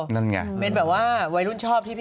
นั่นไงเป็นแบบว่าวัยรุ่นชอบที่พี่